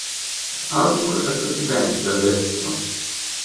Arthur è presidente adesso!